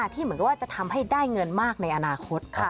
ที่เหมือนกับว่าจะทำให้ได้เงินมากในอนาคต